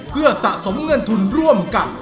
เพื่อสะสมเงินทุนร่วมกัน